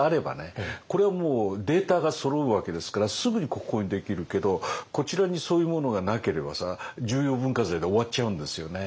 これはもうデータがそろうわけですからすぐに国宝にできるけどこちらにそういうものがなければさ重要文化財で終わっちゃうんですよね。